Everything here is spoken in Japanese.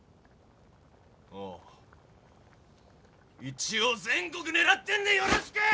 一応全国狙ってんでよろしくー！